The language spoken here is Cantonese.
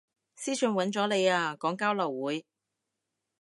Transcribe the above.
私訊搵咗你啊，講交流會